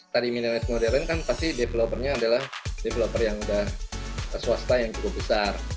tadi mineret norderen kan pasti developernya adalah developer yang sudah swasta yang cukup besar